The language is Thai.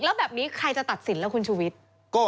แล้วแบบนี้ใครจะตัดสินล่ะคุณชุวิต